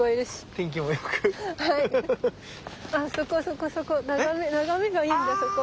あそこそこそこ眺めがいいんだそこ。